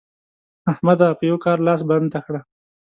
احمده! په یوه کار لاس بنده کړه.